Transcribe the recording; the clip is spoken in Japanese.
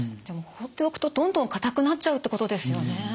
じゃあもう放っておくとどんどんかたくなっちゃうってことですよね？